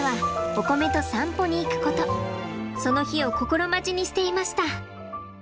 その日を心待ちにしていました。